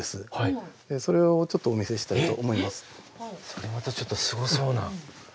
それまたちょっとすごそうな。